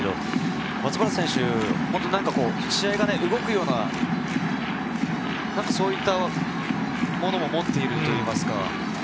松原選手、試合が動くような、そういったものを持っているといいますか。